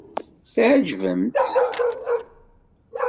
Tɛejbem-tt!